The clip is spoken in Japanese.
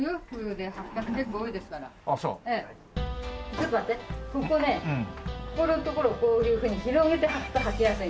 ちょっと待ってここねここの所をこういうふうに広げて履くと履きやすいんです。